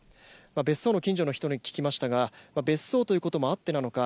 別荘の近所の人に聞きましたが別荘ということもあってなのか